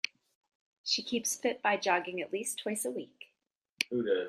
She keeps fit by jogging at least twice a week.